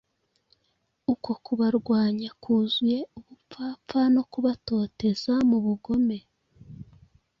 Uko kubarwanya kuzuye ubupfapfa no kubatoteza mu bugome